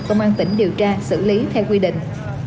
công an tỉnh điều tra xử lý theo quy định